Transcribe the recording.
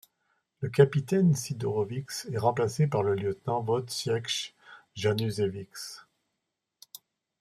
Le capitaine Sidorowicz est remplacé par le lieutenant Wojciech Januszewicz.